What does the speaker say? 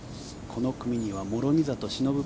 この組には諸見里しのぶ